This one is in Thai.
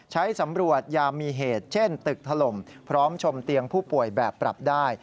ใช้สำรวจยามีเหตุเช่นตึกถล่มพร้อมชมเตียงผู้ป่วยแบบปรับได้